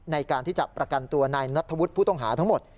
ในการที่จะประกันตัวนายนัทธวุฒิผู้ต้องหาทั้งหมด